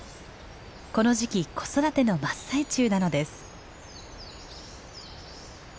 この時期子育ての真っ最中なのです。